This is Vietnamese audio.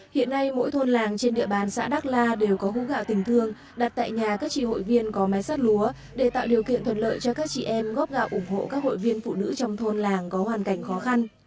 hiện nay mỗi thôn làng trên địa bàn xã đắc la đều có hú gạo tình thương đặt tại nhà các tri hội viên có máy sát lúa để tạo điều kiện thuận lợi cho các chị em góp gạo ủng hộ các hội viên phụ nữ trong thôn làng có hoàn cảnh khó khăn